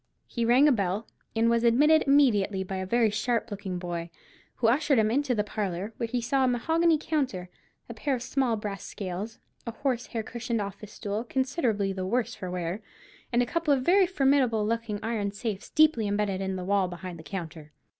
He rang a bell, and was admitted immediately by a very sharp looking boy, who ushered him into the parlour, where he saw a mahogany counter, a pair of small brass scales, a horse hair cushioned office stool considerably the worse for wear, and a couple of very formidable looking iron safes deeply imbedded in the wall behind the counter.